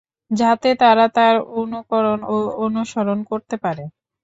যাতে তারা তাঁর অনুকরণ ও অনুসরণ করতে পারে।